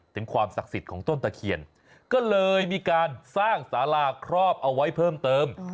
ถึงความศักดิ์สิทธิ์ของต้นตะเคียนก็เลยมีการสร้างสาราครอบเอาไว้เพิ่มเติม